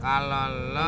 kalau lo liatnya